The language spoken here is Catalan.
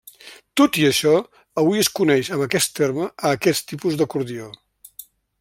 Tot i això, avui es coneix amb aquest terme a aquest tipus d'acordió.